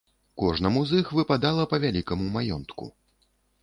Кожнаму з іх выпадала па вялікаму маёнтку.